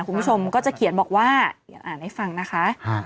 คุณผู้ชมก็จะเขียนบอกว่าเดี๋ยวอ่านให้ฟังนะคะ